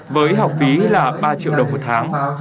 với học phí là ba triệu đồng một tháng